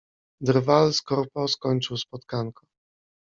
Drwal z korpo skończył spotkanko.